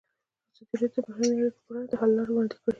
ازادي راډیو د بهرنۍ اړیکې پر وړاندې د حل لارې وړاندې کړي.